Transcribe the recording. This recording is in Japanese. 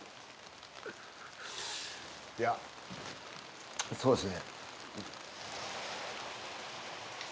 いやそうですね。